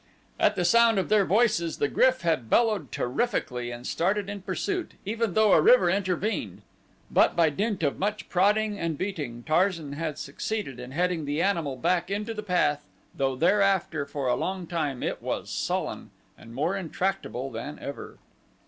At the sound of their voices the GRYF had bellowed terrifically and started in pursuit even though a river intervened, but by dint of much prodding and beating, Tarzan had succeeded in heading the animal back into the path though thereafter for a long time it was sullen and more intractable than ever.